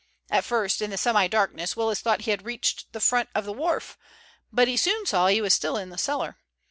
At first in the semi darkness Willis thought he had reached the front of the wharf, but he soon saw he was still in the cellar.